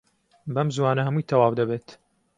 بەم زووانە هەمووی تەواو دەبێت.